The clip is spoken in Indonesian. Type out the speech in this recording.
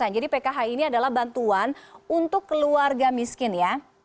jadi pkh ini adalah bantuan untuk keluarga miskin ya